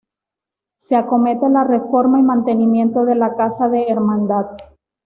Se acomete la reforma y mantenimiento de la Casa de Hermandad.